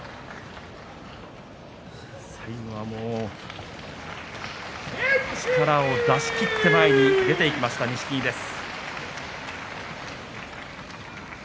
最後はもう力を出し切って前に出ていきました、錦木です。